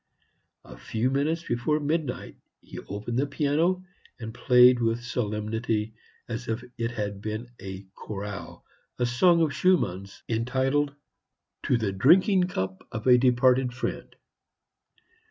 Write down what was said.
A few minutes before midnight he opened the piano, and played with solemnity, and as if it had been a chorale, a song of Schumann's, entitled "To the Drinking cup of a Departed Friend."